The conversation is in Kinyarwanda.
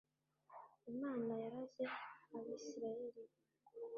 imana yaraze abisirayeli.